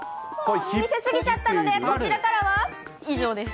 見せ過ぎちゃったので、こちらからは以上です。